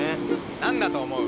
何だと思う？